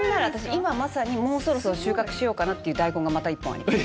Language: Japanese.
今まさにもうそろそろ収穫しようかなっていう大根がまた１本あります。